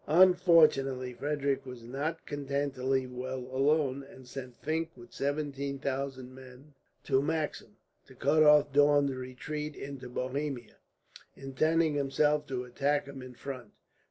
Unfortunately Frederick was not content to leave well alone, and sent Fink with seventeen thousand men to Maxim, to cut off Daun's retreat into Bohemia; intending himself to attack him in front.